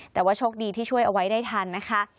แต่ว่าโชคดีที่ช่วยเอาไว้ได้ทันนะคะ